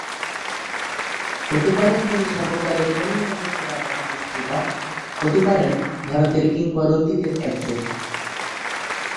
হতে পারেন তিনি সর্বকালের অন্যতম সেরা বাঁহাতি স্পিনার, হতে পারেন ভারতের কিংবদন্তিদের একজন।